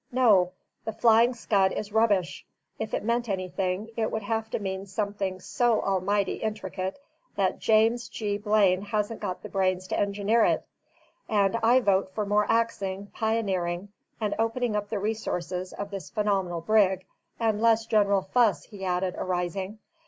No; the Flying Scud is rubbish; if it meant anything, it would have to mean something so almighty intricate that James G. Blaine hasn't got the brains to engineer it; and I vote for more axeing, pioneering, and opening up the resources of this phenomenal brig, and less general fuss," he added, arising.